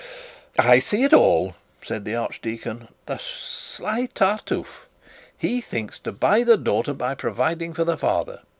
'I see it all,' said the archdeacon. 'The sly tartufe! He thinks to buy the daughter by providing for the father.